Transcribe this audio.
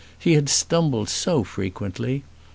He had stumbled so frequently!